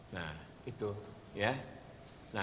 nah itu ya